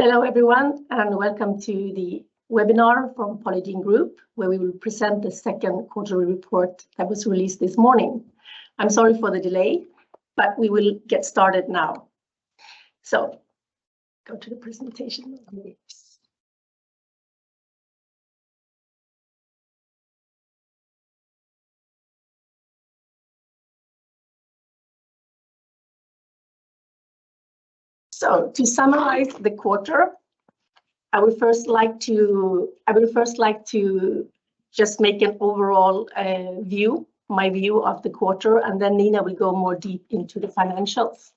Hello everyone, and welcome to the webinar from Polygiene Group, where we will present the second quarterly report that was released this morning. I'm sorry for the delay, but we will get started now. Go to the presentation please. To summarize the quarter, I would first like to just make an overall view, my view of the quarter, and then Nina will go more deep into the financials.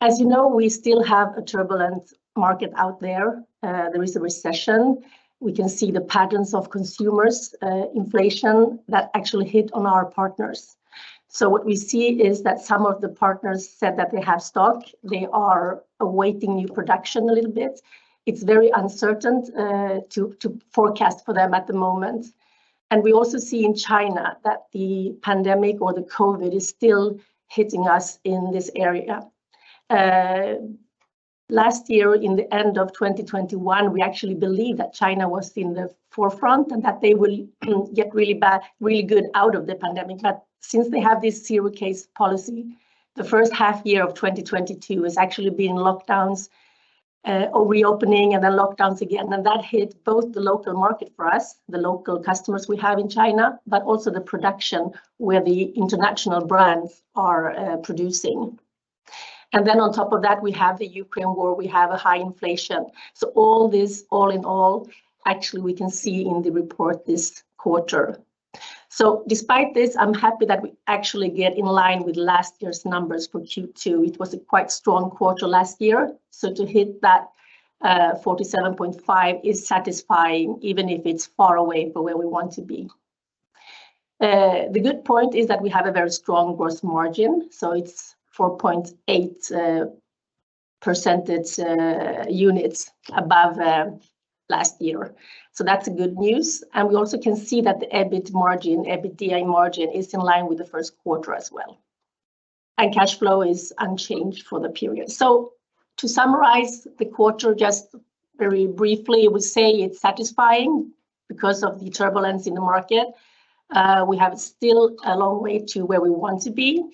As you know, we still have a turbulent market out there. There is a recession. We can see the patterns of consumers, inflation that actually hit on our partners. What we see is that some of the partners said that they have stock. They are awaiting new production a little bit. It's very uncertain to forecast for them at the moment. We also see in China that the pandemic or the COVID is still hitting us in this area. Last year, in the end of 2021, we actually believed that China was in the forefront and that they will get really bad, really good out of the pandemic. Since they have this zero case policy, the first half year of 2022 has actually been lockdowns, or reopening and then lockdowns again. That hit both the local market for us, the local customers we have in China, but also the production where the international brands are, producing. Then on top of that, we have the Ukraine war. We have a high inflation. All this, all in all, actually we can see in the report this quarter. Despite this, I'm happy that we actually get in line with last year's numbers for Q2. It was a quite strong quarter last year, so to hit that 47.5 million is satisfying, even if it's far away from where we want to be. The good point is that we have a very strong gross margin, so it's 4.8 percentage units above last year. That's good news. We also can see that the EBIT margin, EBITDA margin is in line with the first quarter as well. Cash flow is unchanged for the period. To summarize the quarter, just very briefly, I would say it's satisfying because of the turbulence in the market. We have still a long way to where we want to be,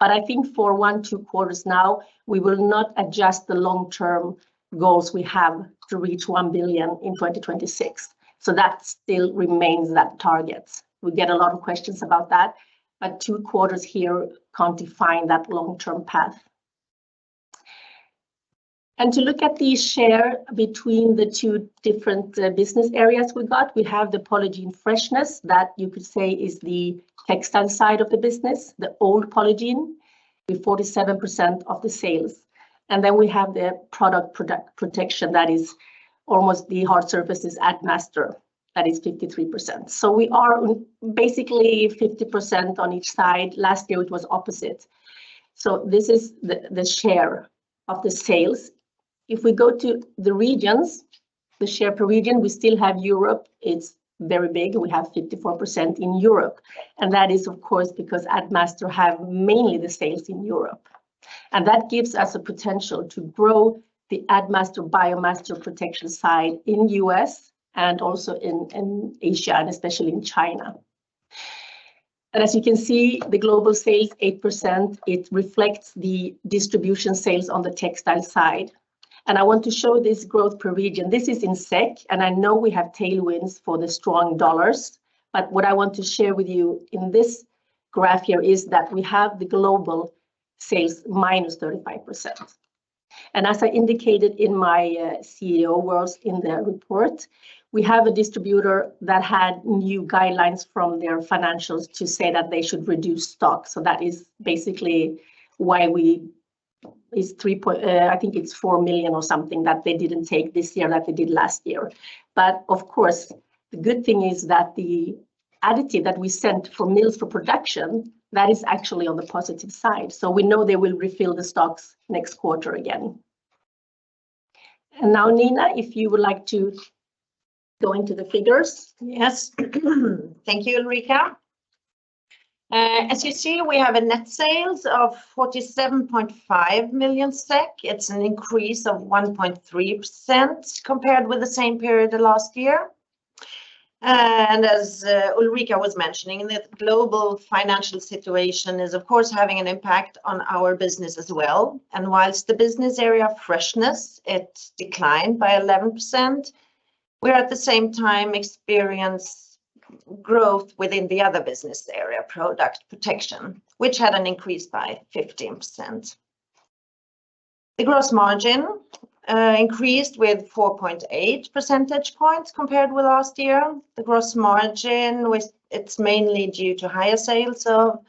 but I think for one, two quarters now, we will not adjust the long-term goals we have to reach 1 billion in 2026, so that still remains that target. We get a lot of questions about that, but two quarters here can't define that long-term path. To look at the share between the two different business areas we got, we have the Polygiene Freshness that you could say is the textile side of the business, the old Polygiene, with 47% of the sales. Then we have the Product Protection, that is almost the hard surfaces Addmaster. That is 53%. We are basically 50% on each side. Last year it was opposite. This is the share of the sales. If we go to the regions, the share per region, we still have Europe. It's very big. We have 54% in Europe, and that is of course because Addmaster have mainly the sales in Europe. That gives us a potential to grow the Addmaster Biomaster Protection side in U.S. and also in Asia, and especially in China. As you can see, the global sales, 8%, it reflects the distribution sales on the textile side. I want to show this growth per region. This is in SEK, and I know we have tailwinds for the strong dollars. What I want to share with you in this graph here is that we have the global sales -35%. As I indicated in my CEO words in the report, we have a distributor that had new guidelines from their financials to say that they should reduce stock. That is basically why. It's 3 point, I think it's 4 million or something that they didn't take this year like they did last year. Of course, the good thing is that the additive that we sent for mills for production, that is actually on the positive side, so we know they will refill the stocks next quarter again. Now, Nina, if you would like to go into the figures. Yes. Thank you, Ulrika. As you see, we have net sales of 47.5 million SEK. It's an increase of 1.3% compared with the same period of last year. As Ulrika was mentioning, the global financial situation is of course having an impact on our business as well. Whilst the business area Freshness, it declined by 11%, we at the same time experienced growth within the other business area, Product Protection, which had an increase by 15%. The gross margin increased with 4.8 percentage points compared with last year. It's mainly due to higher sales of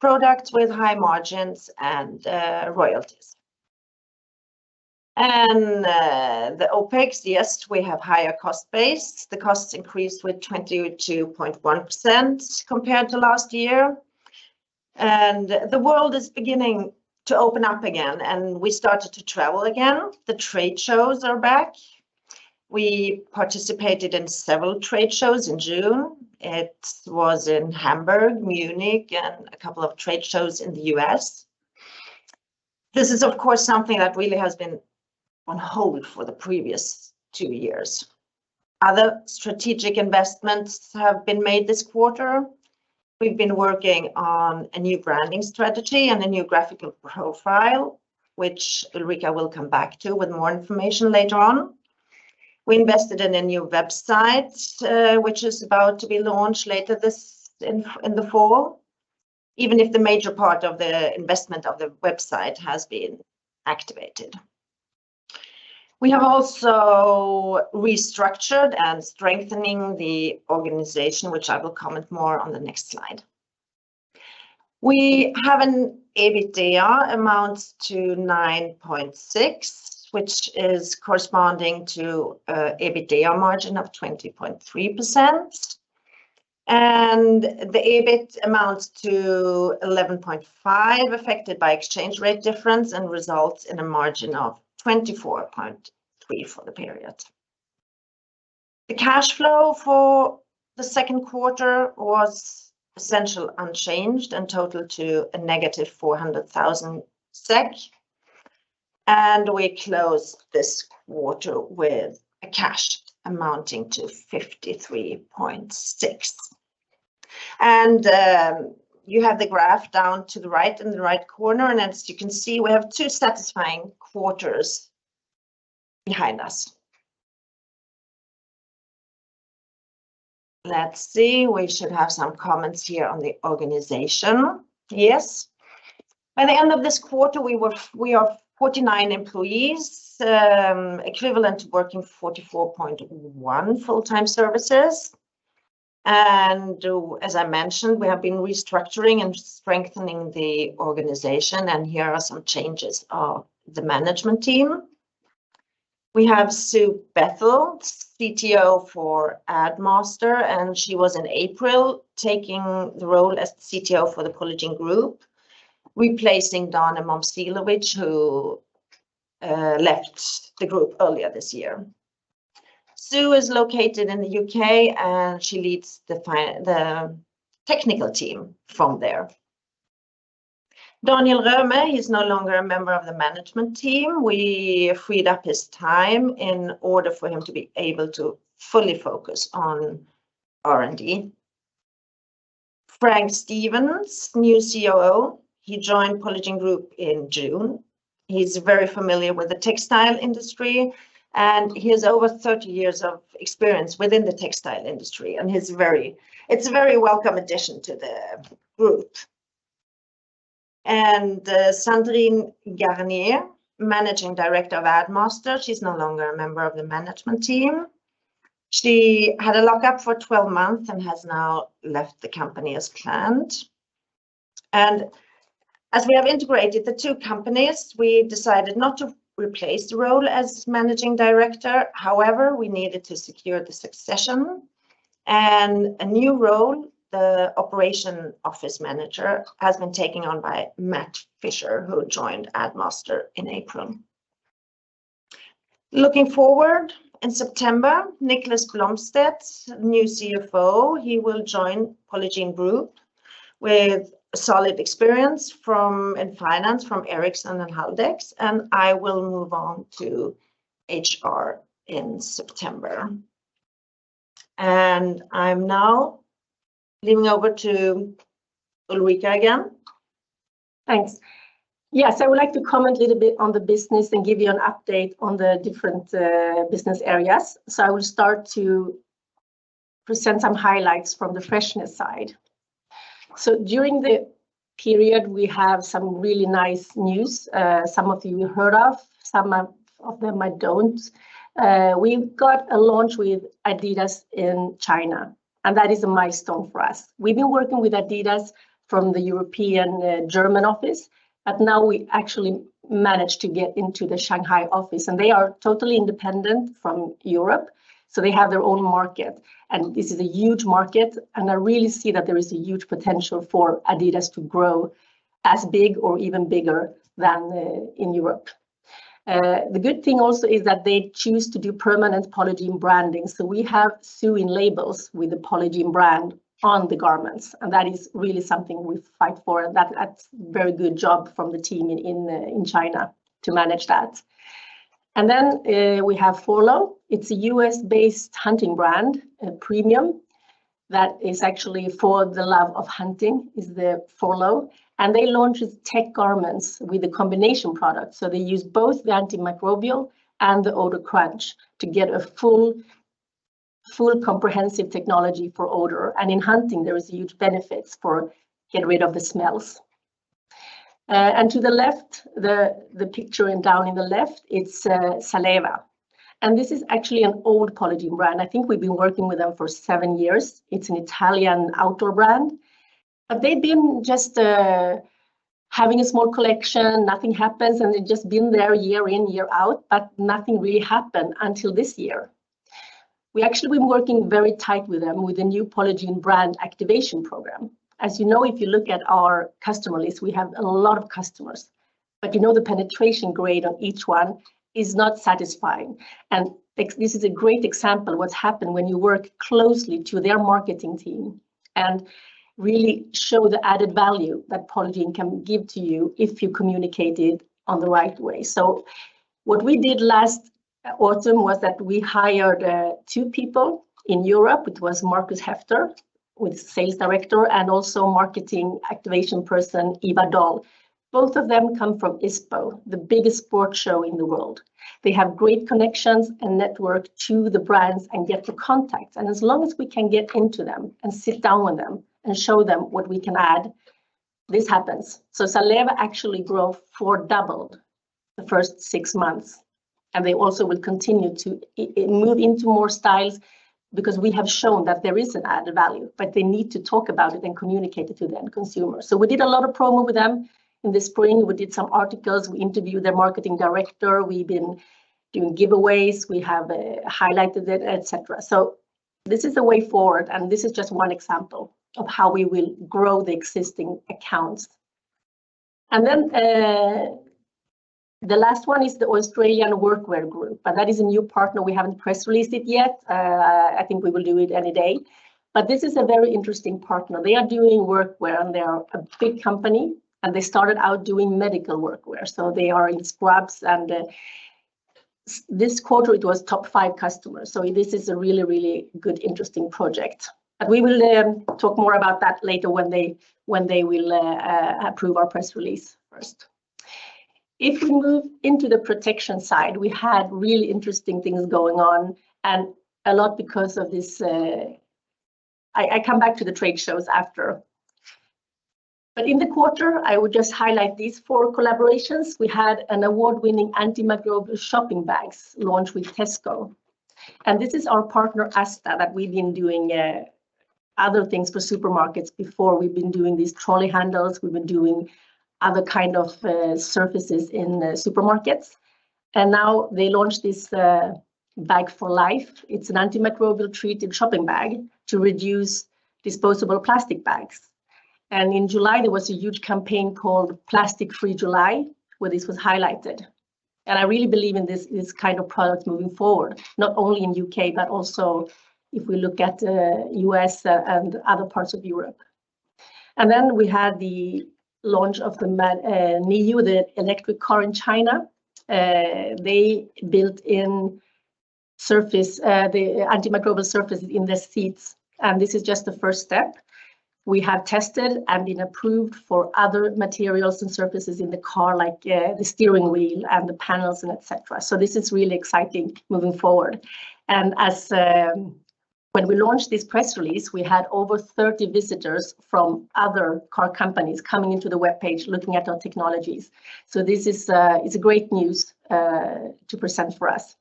products with high margins and royalties. The OpEx, yes, we have higher cost base. The costs increased with 22.1% compared to last year. The world is beginning to open up again, and we started to travel again. The trade shows are back. We participated in several trade shows in June. It was in Hamburg, Munich, and a couple of trade shows in the U.S. This is, of course, something that really has been on hold for the previous two years. Other strategic investments have been made this quarter. We've been working on a new branding strategy and a new graphical profile, which Ulrika will come back to with more information later on. We invested in a new website, which is about to be launched later this fall, even if the major part of the investment of the website has been activated. We have also restructured and strengthening the organization, which I will comment more on the next slide. We have an EBITDA amounts to 9.6 million, which is corresponding to a EBITDA margin of 20.3%. The EBIT amounts to 11.5 million, affected by exchange rate difference, and results in a margin of 24.3% for the period. The cash flow for the second quarter was essentially unchanged and totaled to SEK -400,000. We closed this quarter with a cash amounting to 53.6 million. You have the graph in the bottom right corner, and as you can see, we have two satisfying quarters behind us. Let's see. We should have some comments here on the organization. Yes. By the end of this quarter, we are 49 employees, equivalent to working 44.1 full-time equivalents. As I mentioned, we have been restructuring and strengthening the organization, and here are some changes of the management team. We have Sue Bethel, CTO for Addmaster, and she was in April taking the role as CTO for the Polygiene Group, replacing Dane Momcilovic, who left the group earlier this year. Sue is located in the U.K., and she leads the technical team from there. Daniel Röme is no longer a member of the management team. We freed up his time in order for him to be able to fully focus on R&D. Frank Stevens, new COO, he joined Polygiene Group in June. He's very familiar with the textile industry, and he has over 30 years of experience within the textile industry, and he's a very welcome addition to the group. Sandrine Garnier, Managing Director of Addmaster, she's no longer a member of the management team. She had a lockup for 12 months and has now left the company as planned. As we have integrated the two companies, we decided not to replace the role as managing director. However, we needed to secure the succession. A new role, the Operation Office Manager, has been taken on by Matt Fisher, who joined Addmaster in April. Looking forward, in September, Niklas Blomstedt, new CFO, he will join Polygiene Group with solid experience in finance from Ericsson and Haldex, and I will move on to HR in September. I'm now handing over to Ulrika again. Thanks. Yes, I would like to comment a little bit on the business and give you an update on the different business areas. I will start to present some highlights from the freshness side. During the period, we have some really nice news, some of you heard of, some of them might don't. We've got a launch with Adidas in China, and that is a milestone for us. We've been working with Adidas from the European German office, but now we actually managed to get into the Shanghai office. They are totally independent from Europe, so they have their own market. This is a huge market, and I really see that there is a huge potential for Adidas to grow as big or even bigger than in Europe. The good thing also is that they choose to do permanent Polygiene branding. We have sewing labels with the Polygiene brand on the garments, and that is really something we fight for. That's very good job from the team in China to manage that. We have FORLOH. It's a U.S.-based hunting brand, a premium, that is actually for the love of hunting is the FORLOH. They launch with tech garments with a combination product. They use both the antimicrobial and the Odor Crunch to get a full comprehensive technology for odor. In hunting, there is huge benefits for getting rid of the smells. To the left, the picture down in the left, it's Salewa. This is actually an old Polygiene brand. I think we've been working with them for seven years. It's an Italian outdoor brand. They've been just having a small collection, nothing happens, and they've just been there year in, year out, but nothing really happened until this year. We actually been working very tight with them with a new Polygiene brand activation program. As you know, if you look at our customer list, we have a lot of customers. You know, the penetration grade on each one is not satisfying. This is a great example what's happened when you work closely to their marketing team and really show the added value that Polygiene can give to you if you communicated on the right way. What we did last autumn was that we hired two people in Europe. It was Markus Hefter with sales director and also marketing activation person, Eva Doll. Both of them come from ISPO, the biggest sport show in the world. They have great connections and network to the brands and get the contacts. As long as we can get into them and sit down with them and show them what we can add, this happens. Salewa actually grow four doubled the first six months, and they also will continue to move into more styles because we have shown that there is an added value, but they need to talk about it and communicate it to the end consumer. We did a lot of promo with them in the spring. We did some articles. We interviewed their marketing director. We've been doing giveaways. We have highlighted it, et cetera. This is the way forward, and this is just one example of how we will grow the existing accounts. The last one is the Australian Workwear Group, and that is a new partner. We haven't press released it yet. I think we will do it any day. This is a very interesting partner. They are doing workwear, and they are a big company, and they started out doing medical workwear, so they are in scrubs. This quarter it was top five customers, so this is a really good, interesting project. We will talk more about that later when they will approve our press release first. If we move into the protection side, we had really interesting things going on and a lot because of this. I come back to the trade shows after. In the quarter, I would just highlight these four collaborations. We had an award-winning antimicrobial shopping bags launched with Tesco. This is our partner, Asda, that we've been doing other things for supermarkets before. We've been doing these trolley handles. We've been doing other kind of surfaces in the supermarkets. Now they launched this Bag For Life. It's an antimicrobial-treated shopping bag to reduce disposable plastic bags. In July, there was a huge campaign called Plastic Free July, where this was highlighted. I really believe in this kind of product moving forward, not only in U.K., but also if we look at U.S. and other parts of Europe. Then we had the launch of the NIO, the electric car in China. They built in the antimicrobial surface in the seats, and this is just the first step. We have tested and been approved for other materials and surfaces in the car, like the steering wheel and the panels and et cetera. This is really exciting moving forward. As, when we launched this press release, we had over 30 visitors from other car companies coming into the webpage looking at our technologies. This is a great news to present for us.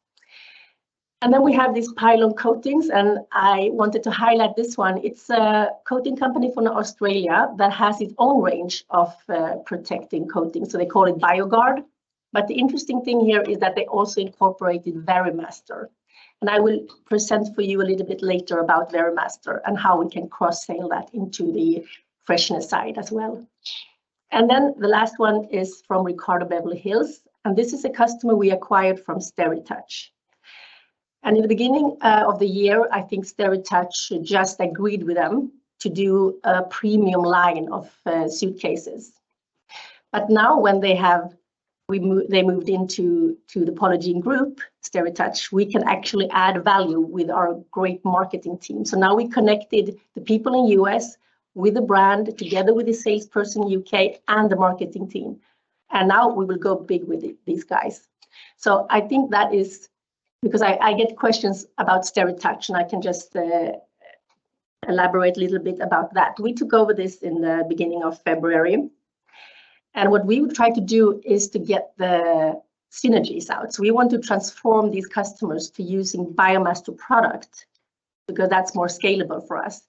We have this Pylon Coatings, and I wanted to highlight this one. It's a coating company from Australia that has its own range of protecting coatings, so they call it Bio-Guard. The interesting thing here is that they also incorporated Verimaster. I will present for you a little bit later about Verimaster and how we can cross-sell that into the freshness side as well. The last one is from Ricardo Beverly Hills, and this is a customer we acquired from SteriTouch. In the beginning of the year, I think SteriTouch just agreed with them to do a premium line of suitcases. Now when they have, they moved into the Polygiene Group, SteriTouch, we can actually add value with our great marketing team. Now we connected the people in U.S. with the brand together with the salesperson U.K. and the marketing team, and now we will go big with these guys. I think that is because I get questions about SteriTouch, and I can just elaborate a little bit about that. We took over this in the beginning of February, and what we would try to do is to get the synergies out. We want to transform these customers to using Biomaster product because that's more scalable for us.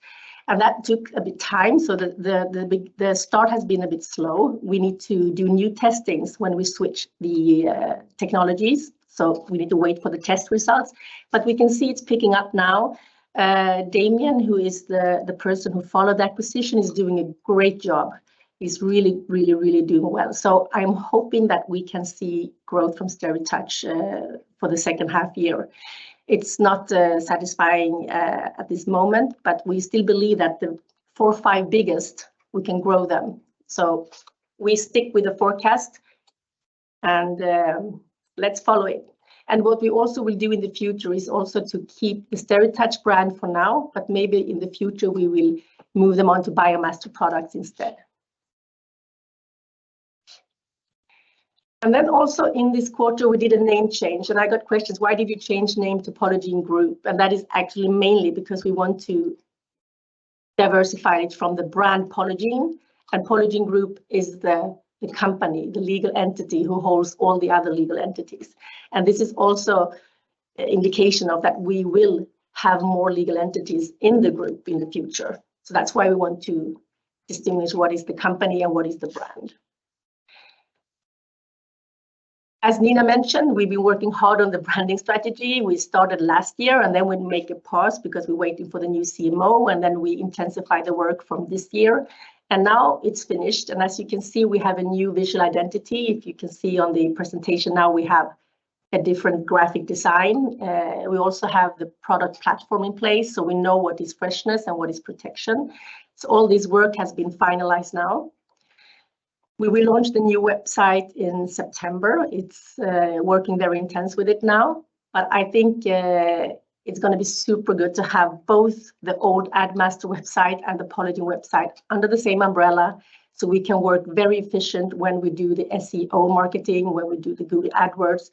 That took a bit time, so the start has been a bit slow. We need to do new testings when we switch the technologies, so we need to wait for the test results. We can see it's picking up now. Damien, who is the person who followed acquisition, is doing a great job. He's really doing well. I'm hoping that we can see growth from SteriTouch for the second half year. It's not satisfying at this moment, but we still believe that the four or five biggest, we can grow them. We stick with the forecast, and let's follow it. What we also will do in the future is also to keep the SteriTouch brand for now, but maybe in the future we will move them on to Biomaster product instead. Also in this quarter, we did a name change, and I got questions, "Why did you change name to Polygiene Group?" That is actually mainly because we want to diversify it from the brand Polygiene, and Polygiene Group is the company, the legal entity who holds all the other legal entities. This is also an indication of that we will have more legal entities in the group in the future. That's why we want to distinguish what is the company and what is the brand. As Nina mentioned, we've been working hard on the branding strategy. We started last year, and then we make a pause because we're waiting for the new CMO, and then we intensify the work from this year, and now it's finished. As you can see, we have a new visual identity. If you can see on the presentation now, we have a different graphic design. We also have the product platform in place, so we know what is freshness and what is protection. All this work has been finalized now. We will launch the new website in September. It's working very intense with it now, but I think it's gonna be super good to have both the old Addmaster website and the Polygiene website under the same umbrella, so we can work very efficient when we do the SEO marketing, when we do the Google Adwords.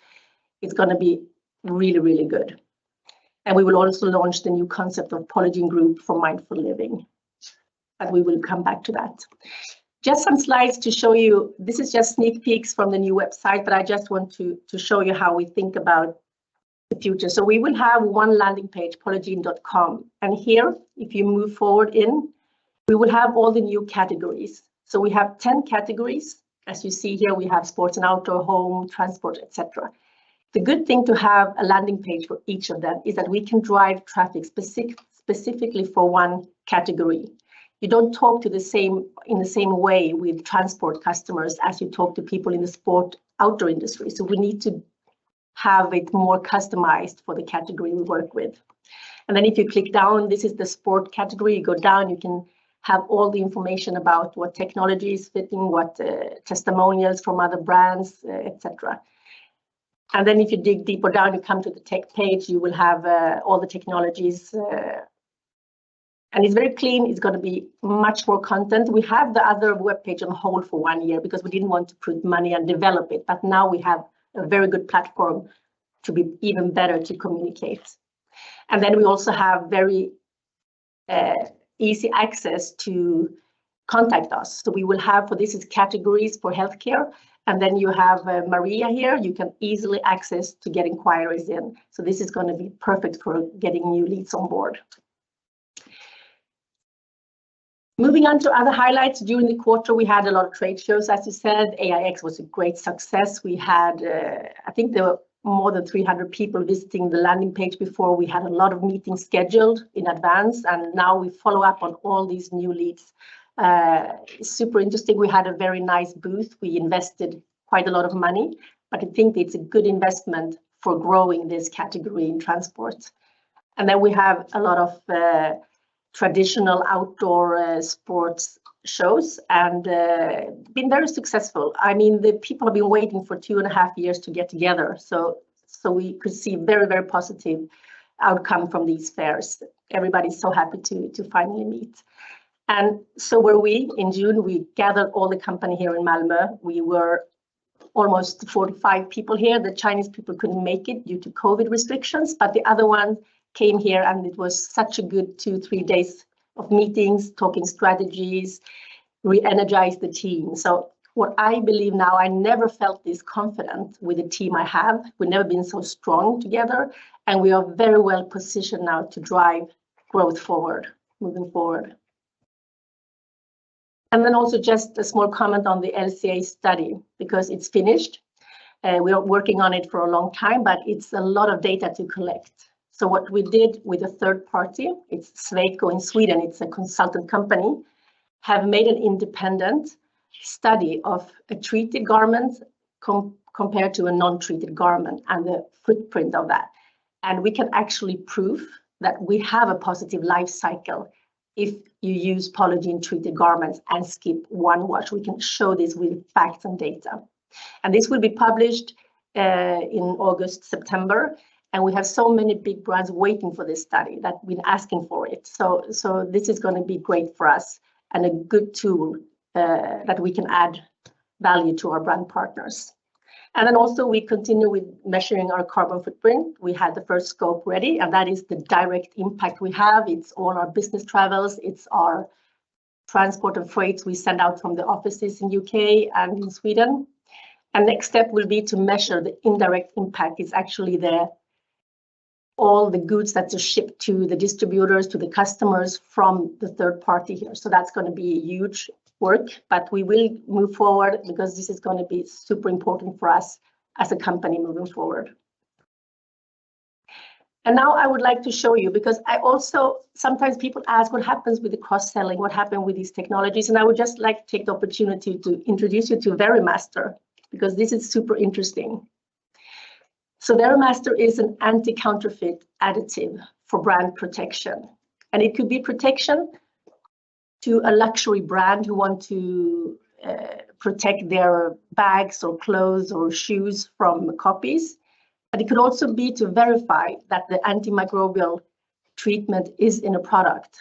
It's gonna be really, really good. We will also launch the new concept of Polygiene Group for Mindful Living, but we will come back to that. Just some slides to show you. This is just sneak peeks from the new website, but I just want to show you how we think about the future. We will have one landing page, polygiene.com. Here, if you move forward in, we will have all the new categories. We have 10 categories. As you see here, we have sports and outdoor, home, transport, et cetera. The good thing to have a landing page for each of them is that we can drive traffic specific, specifically for one category. You don't talk in the same way with transport customers as you talk to people in the sport outdoor industry, so we need to have it more customized for the category we work with. If you click down, this is the sport category. You go down, you can have all the information about what technology is fitting what, testimonials from other brands, et cetera. If you dig deeper down, you come to the tech page, you will have all the technologies. It's very clean. It's gonna be much more content. We have the other webpage on hold for one year because we didn't want to put money and develop it. Now we have a very good platform to be even better to communicate. We also have very easy access to contact us. We will have for this, it's categories for healthcare, and then you have Maria here. You can easily access to get inquiries in, so this is gonna be perfect for getting new leads on board. Moving on to other highlights. During the quarter, we had a lot of trade shows. As you said, AIX was a great success. We had, I think there were more than 300 people visiting the landing page before. We had a lot of meetings scheduled in advance, and now we follow up on all these new leads. Super interesting. We had a very nice booth. We invested quite a lot of money, but I think it's a good investment for growing this category in transport. We have a lot of traditional outdoor sports shows and been very successful. I mean, the people have been waiting for two and a half years to get together, so we could see very, very positive outcome from these fairs. Everybody's so happy to finally meet. So were we. In June, we gathered all the company here in Malmö. We were almost 45 people here. The Chinese people couldn't make it due to COVID restrictions, but the other one came here and it was such a good two, three days of meetings, talking strategies. We energized the team. What I believe now, I never felt this confident with the team I have. We've never been so strong together, and we are very well positioned now to drive growth forward, moving forward. Just a small comment on the LCA study because it's finished. We are working on it for a long time, but it's a lot of data to collect. What we did with a third party, it's Sweco in Sweden, it's a consultant company, have made an independent study of a treated garment compared to a non-treated garment and the footprint of that. We can actually prove that we have a positive life cycle if you use Polygiene-treated garments and skip one wash. We can show this with facts and data. This will be published in August, September, and we have so many big brands waiting for this study that been asking for it. This is gonna be great for us and a good tool that we can add value to our brand partners. We continue with measuring our carbon footprint. We had the first scope ready, and that is the direct impact we have. It's all our business travels. It's our transport of freight we send out from the offices in U.K. and in Sweden. Next step will be to measure the indirect impact. It's actually all the goods that are shipped to the distributors, to the customers from the third party here. That's gonna be huge work, but we will move forward because this is gonna be super important for us as a company moving forward. Now I would like to show you, because I also sometimes people ask what happens with the cross-selling, what happen with these technologies, and I would just like to take the opportunity to introduce you to Verimaster because this is super interesting. Verimaster is an anti-counterfeit additive for brand protection, and it could be protection to a luxury brand who want to protect their bags or clothes or shoes from copies, but it could also be to verify that the antimicrobial treatment is in a product,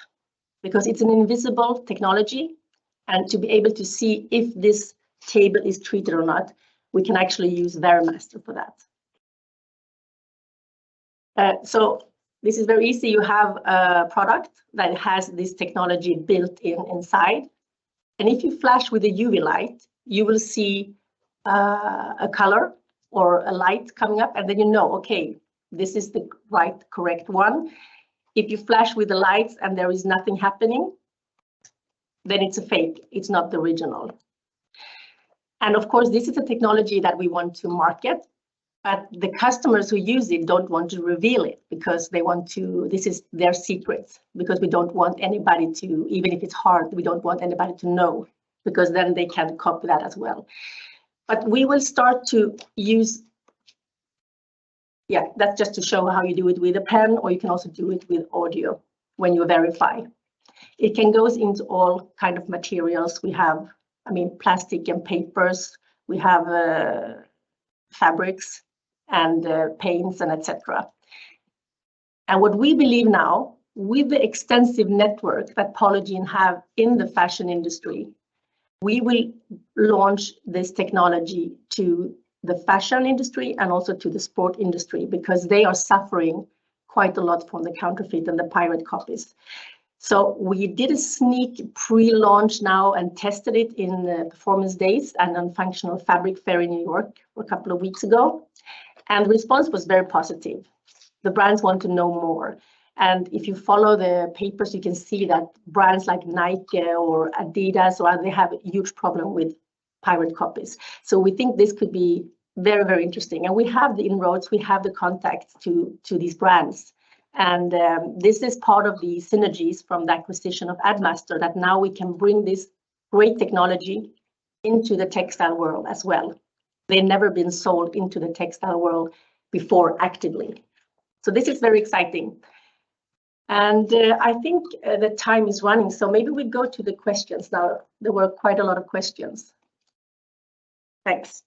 because it's an invisible technology, and to be able to see if this table is treated or not, we can actually use Verimaster for that. This is very easy. You have a product that has this technology built in inside, and if you flash with a UV light, you will see a color or a light coming up, and then you know, okay, this is the right, correct one. If you flash with the lights and there is nothing happening. It's a fake, it's not the original. Of course, this is a technology that we want to market, but the customers who use it don't want to reveal it because they want to. This is their secret. Because we don't want anybody to, even if it's hard, we don't want anybody to know because then they can copy that as well. But we will start to use. Yeah, that's just to show how you do it with a pen, or you can also do it with audio when you verify. It can goes into all kind of materials. We have, I mean, plastic and papers. We have, fabrics and, paints and et cetera. What we believe now, with the extensive network that Polygiene have in the fashion industry, we will launch this technology to the fashion industry and also to the sport industry because they are suffering quite a lot from the counterfeit and the pirate copies. We did a sneak pre-launch now and tested it in the PERFORMANCE DAYS and then Functional Fabric Fair in New York a couple of weeks ago, and response was very positive. The brands want to know more. If you follow the papers, you can see that brands like Nike or Adidas or other have a huge problem with pirate copies. We think this could be very, very interesting. We have the inroads, we have the contacts to these brands. This is part of the synergies from the acquisition of Addmaster, that now we can bring this great technology into the textile world as well. They've never been sold into the textile world before actively. This is very exciting. I think the time is running, so maybe we go to the questions now. There were quite a lot of questions. Thanks.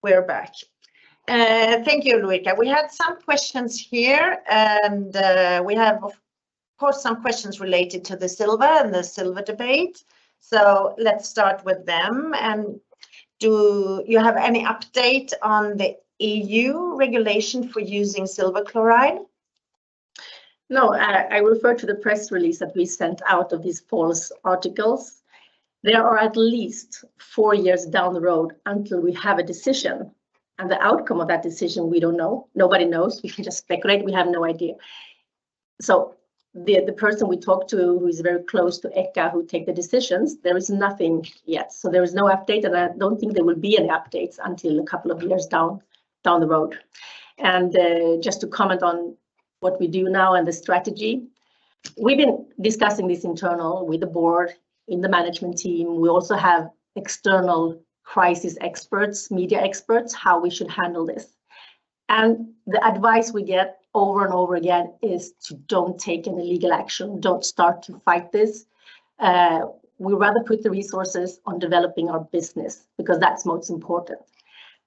We're back. Thank you, Ulrika. We had some questions here, and we have of course some questions related to the silver and the silver debate. Let's start with them. Do you have any update on the EU regulation for using silver chloride? No. I refer to the press release that we sent out of these false articles. They are at least four years down the road until we have a decision, and the outcome of that decision, we don't know. Nobody knows. We can just speculate. We have no idea. The person we talked to, who is very close to ECHA, who take the decisions, there is nothing yet. There is no update, and I don't think there will be an update until a couple of years down the road. Just to comment on what we do now and the strategy, we've been discussing this internally with the board in the management team. We also have external crisis experts, media experts, how we should handle this. The advice we get over and over again is to don't take any legal action. Don't start to fight this. We'd rather put the resources on developing our business because that's most important.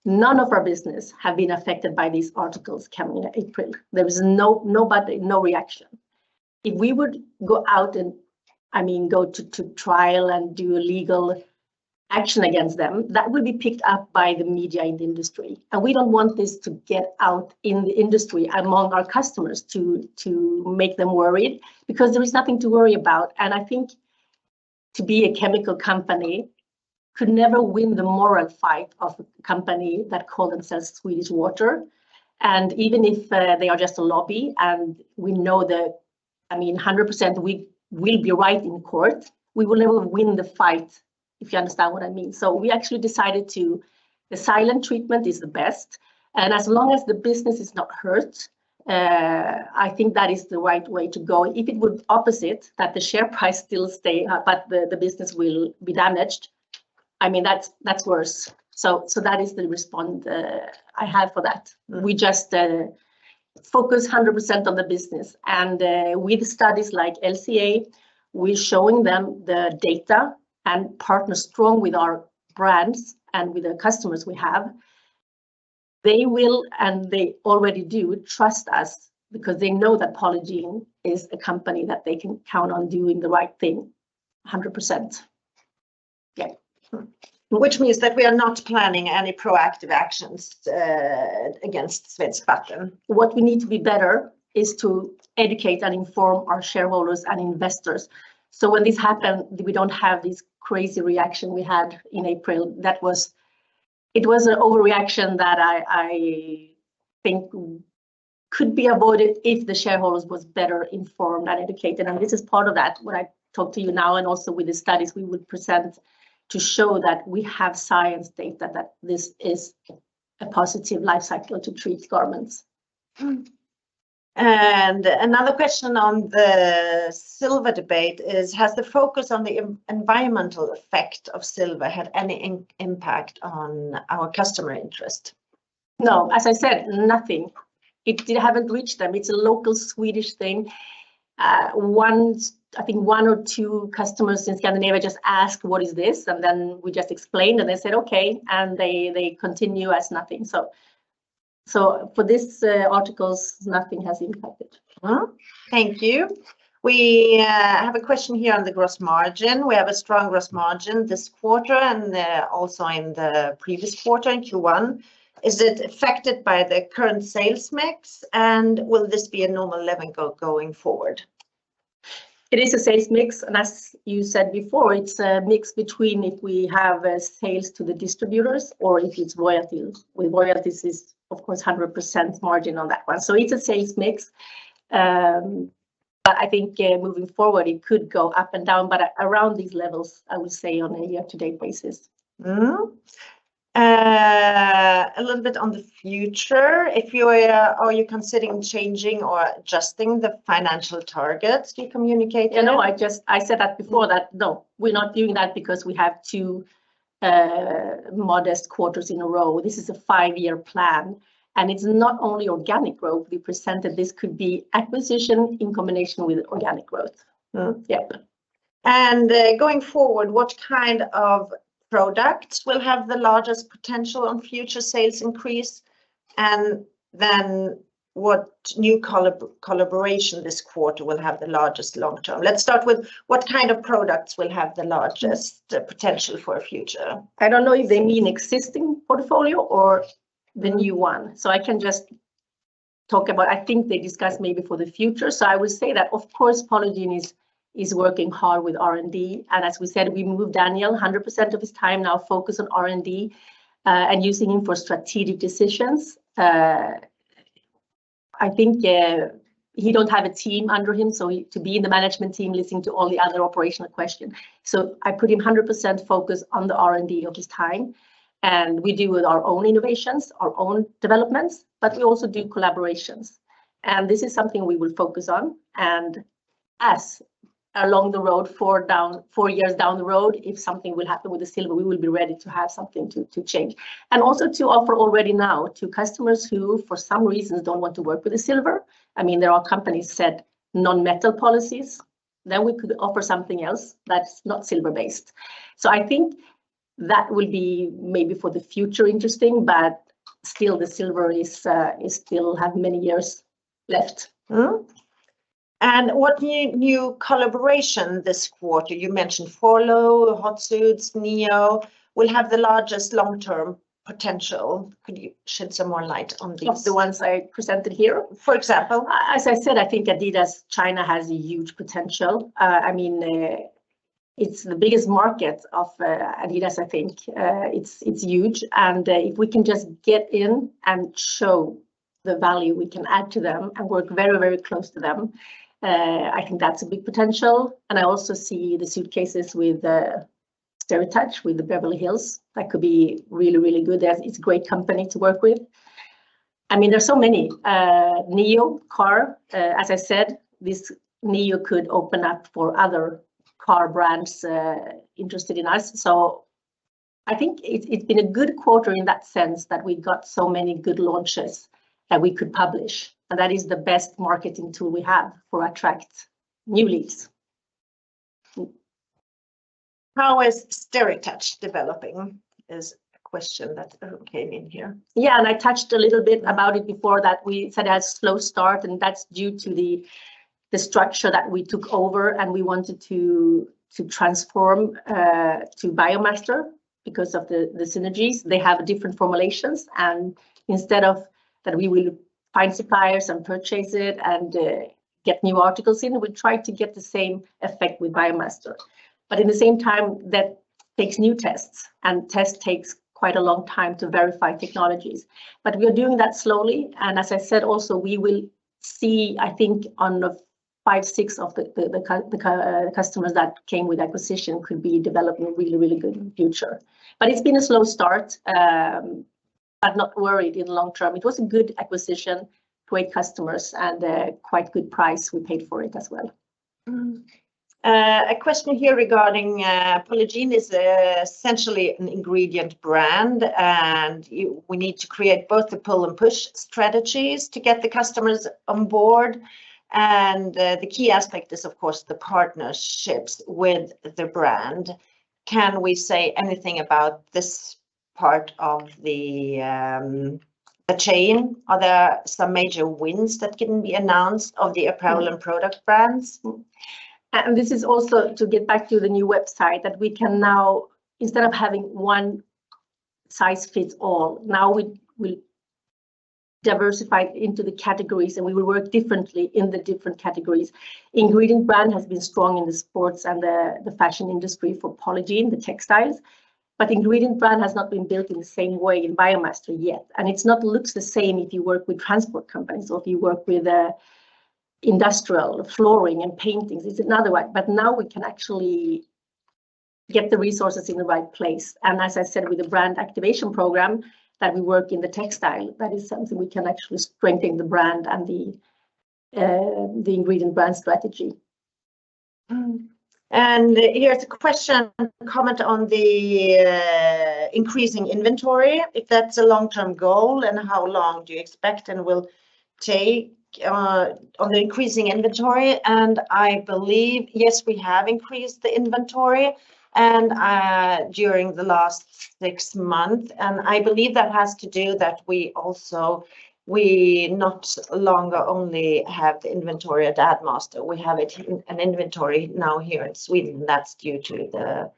None of our business have been affected by these articles coming in April. There was no reaction. If we would go out and go to trial and do legal action against them, that would be picked up by the media and the industry, and we don't want this to get out in the industry among our customers to make them worried because there is nothing to worry about. I think to be a chemical company could never win the moral fight of a company that call themselves Svenskt Vatten. Even if they are just a lobby and we know that, 100% we will be right in court, we will never win the fight. If you understand what I mean. We actually decided that the silent treatment is the best, and as long as the business is not hurt, I think that is the right way to go. If it would be opposite, that the share price still stay, but the business will be damaged, I mean, that's worse. That is the response I have for that. We just focus 100% on the business, and with studies like LCA, we're showing them the data and partner strong with our brands and with the customers we have. They will, and they already do, trust us because they know that Polygiene is a company that they can count on doing the right thing 100%. Yeah. Which means that we are not planning any proactive actions against Svenskt Vatten. What we need to be better is to educate and inform our shareholders and investors, so when this happens, we don't have this crazy reaction we had in April. That was. It was an overreaction that I think could be avoided if the shareholders was better informed and educated. I mean, this is part of that, what I talk to you now and also with the studies we will present to show that we have science data that this is a positive life cycle to treat garments. Another question on the silver debate is, "Has the focus on the environmental effect of silver had any impact on our customer interest? No. As I said, nothing. It haven't reached them. It's a local Swedish thing. One, I think one or two customers in Scandinavia just asked, "What is this?" We just explained, and they said, "Okay." They continue as nothing. So for this articles, nothing has impacted. Thank you. We have a question here on the gross margin. We have a strong gross margin this quarter, and also in the previous quarter, in Q1. Is it affected by the current sales mix, and will this be a normal level going forward? It is a sales mix, and as you said before, it's a mix between if we have a sales to the distributors or if it's royalties. With royalties is, of course, 100% margin on that one. It's a sales mix, but I think, moving forward, it could go up and down, but around these levels, I would say, on a year-to-date basis. A little bit on the future, are you considering changing or adjusting the financial targets you communicated? No, I said that before, that no, we're not doing that because we have two modest quarters in a row. This is a five-year plan, and it's not only organic growth we presented. This could be acquisition in combination with organic growth. Mm-hmm. Yep. Going forward, what kind of products will have the largest potential on future sales increase, and then what new collaboration this quarter will have the largest long term? Let's start with what kind of products will have the largest potential for future? I don't know if they mean existing portfolio or the new one, so I can just talk about. I think they discussed maybe for the future, so I would say that, of course, Polygiene is working hard with R&D, and as we said, we moved Daniel, 100% of his time now focus on R&D, and using him for strategic decisions. I think, he don't have a team under him, so he to be in the management team listening to all the other operational question. I put him 100% focus on the R&D of his time, and we deal with our own innovations, our own developments, but we also do collaborations, and this is something we will focus on and use along the road four years down the road, if something will happen with the silver, we will be ready to have something to change. Also to offer already now to customers who, for some reason, don't want to work with the silver, I mean, there are companies set non-metal policies, then we could offer something else that's not silver-based. I think that will be maybe for the future interesting, but still, the silver still has many years left. What new collaboration this quarter, you mentioned FORLOH, Hotsuit, NIO, will have the largest long-term potential? Could you shed some more light on these? Of the ones I presented here? For example. As I said, I think Adidas China has a huge potential. I mean, it's the biggest market of Adidas, I think. It's huge, and if we can just get in and show the value we can add to them and work very, very close to them, I think that's a big potential. I also see the suitcases with SteriTouch with the Beverly Hills. That could be really, really good as it's a great company to work with. I mean, there's so many NIO car, as I said, this NIO could open up for other car brands interested in us. I think it's been a good quarter in that sense that we got so many good launches that we could publish, and that is the best marketing tool we have to attract new leads. How is SteriTouch developing is a question that came in here. Yeah, I touched a little bit about it before that we said a slow start, and that's due to the structure that we took over, and we wanted to transform to Biomaster because of the synergies. They have different formulations, and instead of that we will find suppliers and purchase it and get new articles in, we try to get the same effect with Biomaster. In the same time, that takes new tests, and test takes quite a long time to verify technologies. We are doing that slowly, and as I said, also, we will see, I think, on the five, six of the customers that came with acquisition could be developing really good future. It's been a slow start. I'm not worried in long term. It was a good acquisition, great customers, and a quite good price we paid for it as well. A question here regarding Polygiene is essentially an ingredient brand, and we need to create both the pull and push strategies to get the customers on board, and the key aspect is, of course, the partnerships with the brand. Can we say anything about this part of the chain? Are there some major wins that can be announced of the apparel and product brands? This is also to get back to the new website that we can now, instead of having one size fits all, now we will diversify into the categories, and we will work differently in the different categories. Ingredient brand has been strong in the sports and the fashion industry for Polygiene, the textiles, but ingredient brand has not been built in the same way in Biomaster yet. It doesn't look the same if you work with transport companies or if you work with industrial flooring and paintings. It's another way. Now we can actually get the resources in the right place, and as I said, with the brand activation program that we work in the textile, that is something we can actually strengthen the brand and the ingredient brand strategy. Here's a question, comment on the increasing inventory, if that's a long-term goal, and how long do you expect and will take on the increasing inventory? I believe, yes, we have increased the inventory and during the last six months, and I believe that has to do that we also, we no longer only have the inventory at Addmaster. We have it in an inventory now here in Sweden, that's due to the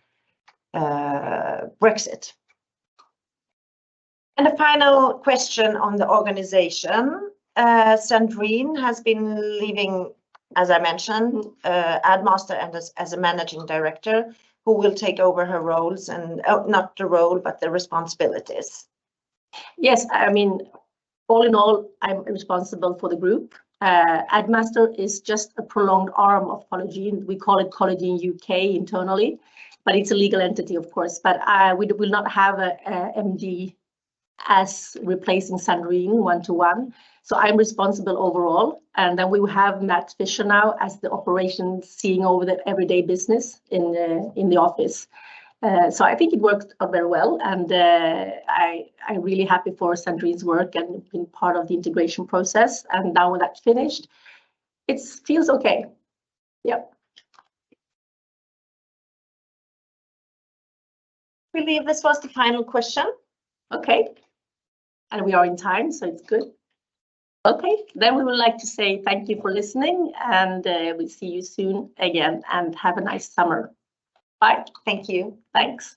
Brexit. A final question on the organization, Sandrine has been leaving, as I mentioned, Addmaster and as a managing director, who will take over her roles and not the role, but the responsibilities. Yes. I mean, all in all, I'm responsible for the group. Addmaster is just a prolonged arm of Polygiene. We call it Polygiene U.K. internally, but it's a legal entity, of course, but we will not have a MD as replacing Sandrine one-to-one, so I'm responsible overall, and then we will have Matt Fischer now as the operations overseeing the everyday business in the office. So I think it worked out very well, and I'm really happy for Sandrine's work and been part of the integration process, and now that's finished, it feels okay. Yep. I believe this was the final question. Okay. We are in time, so it's good. Okay. We would like to say thank you for listening, and we'll see you soon again, and have a nice summer. Bye. Thank you. Thanks.